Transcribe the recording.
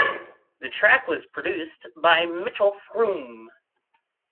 The track was produced by Mitchell Froom.